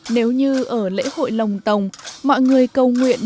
nếu như ở lễ hội lồng tồng mọi người cầu nguyện